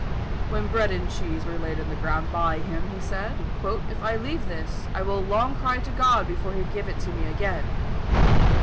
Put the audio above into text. When bread and cheese were laid on the ground by him, he said, "If I leave this, I will long cry to God before he give it me again."